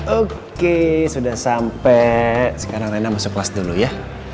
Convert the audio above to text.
oke sudah sampai sekarang rena masuk kelas dulu ya